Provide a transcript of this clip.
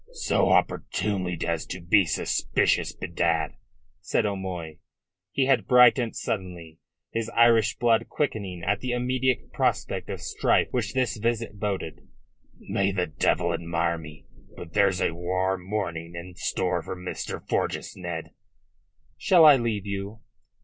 "So opportunely as to be suspicious, bedad!" said O'Moy. He had brightened suddenly, his Irish blood quickening at the immediate prospect of strife which this visit boded. "May the devil admire me, but there's a warm morning in store for Mr. Forjas, Ned." "Shall I leave you?"